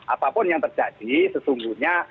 apapun yang terjadi sesungguhnya